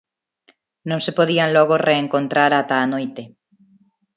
Non se podían logo reencontrar ata a noite.